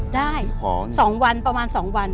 ได้สองวันประมาณสองวัน